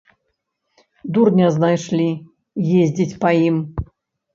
Дурня знайшлі, ездзіць па ім!